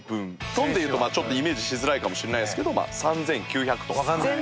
トンでいうとちょっとイメージしづらいかもしれないですけど３９００トン。